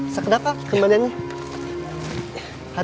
sekedar pak kembaliannya